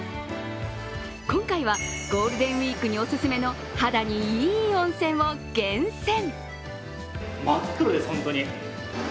今回は、ゴールデンウイークにオススメの肌にいい温泉を厳選。